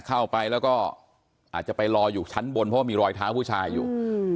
เข้าไปแล้วก็อาจจะไปรออยู่ชั้นบนเพราะว่ามีรอยเท้าผู้ชายอยู่